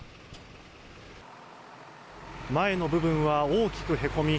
前の部分は大きくへこみ